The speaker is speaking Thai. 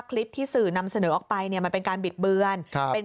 คลิปที่สื่อนำเสนอออกไปเนี่ยมันเป็นการบิดเบือน